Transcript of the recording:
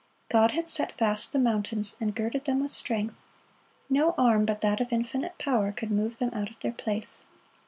God had set fast the mountains, and girded them with strength; no arm but that of Infinite Power could move them out of their place.